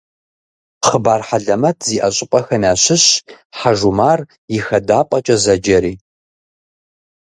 Хъыбар хьэлэмэт зиӏэ щӏыпӏэхэм ящыщщ «Хьэжумар и хадапӏэкӏэ» зэджэри.